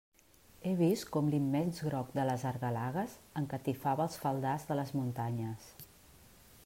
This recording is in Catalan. He vist com l'immens groc de les argelagues encatifava els faldars de les muntanyes.